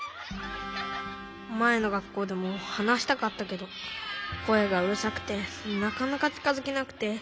まえのがっこうでも話したかったけどこえがうるさくてなかなかちかづけなくて。